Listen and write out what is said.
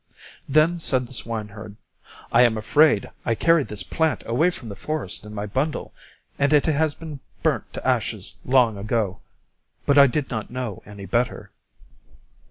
Then said the swineherd, "I am afraid I carried this plant away from the forest in my bundle, and it has been burnt to ashes long ago. But I did not know any better."